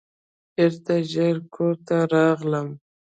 بیرته ژر کور ته راغلم.